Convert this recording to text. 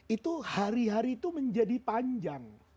itu hari hari itu menjadi panjang